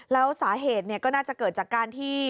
แล้วสาเหตุก็น่าจะเกิดจากการที่